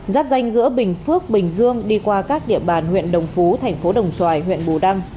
giáp danh giữa bình phước bình dương đi qua các địa bàn huyện đồng phú thành phố đồng xoài huyện bù đăng